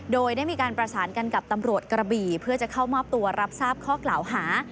โดยได้มีการประสานกันกับตำรวจกระบี่เพื่อจะเข้ามอบตัวรับทราบข้อกล่าวหา